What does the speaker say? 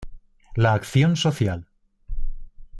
La acción social.